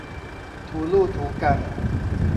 ถูลู่ถูกัง